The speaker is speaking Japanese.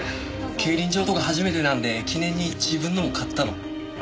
競輪場とか初めてなんで記念に自分のも買ったの。